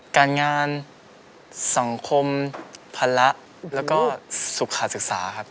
การงานสังคมภาระแล้วก็สุขาศึกษาครับ